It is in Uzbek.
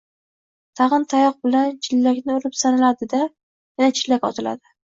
Tag‘in tayoq bilan chillakni urib sanaladi-da, yana chillak otiladi.